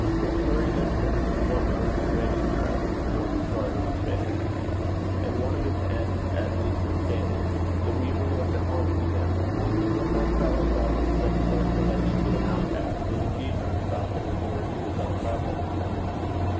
De Fleuri listened with what rose to great interest before the story was finished. And one of its ends at least was gained: the weaver was at home with him. The poor fellow felt that such close relation to an outcast, did indeed bring Falconer nearer to his own level.